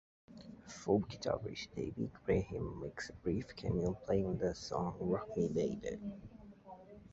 Folk guitarist Davy Graham makes a brief cameo playing the song Rock Me Baby.